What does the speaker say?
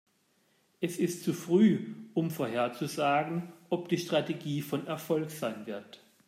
Es ist zu früh, um vorherzusagen, ob die Strategie von Erfolg sein wird.